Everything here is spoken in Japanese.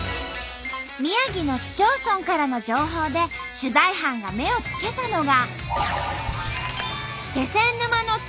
宮城の市町村からの情報で取材班が目をつけたのが。